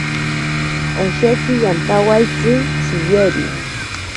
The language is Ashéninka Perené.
Osheki yantaeaitzi tsiyeri.